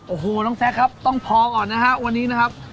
โอ้โหน้องแซคครับต้องพอก่อนนะฮะวันนี้นะครับ